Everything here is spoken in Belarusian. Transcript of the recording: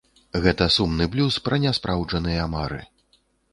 Гэта сумны блюз пра няспраўджаныя мары.